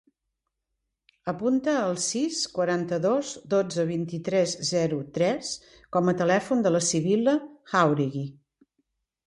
Apunta el sis, quaranta-dos, dotze, vint-i-tres, zero, tres com a telèfon de la Sibil·la Jauregui.